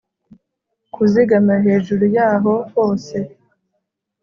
Kuzigama hejuru yaho hose